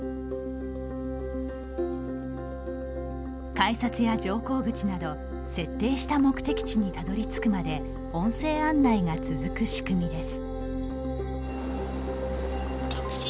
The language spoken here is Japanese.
改札や乗降口など設定した目的地にたどりつくまで音声案内が続く仕組みです。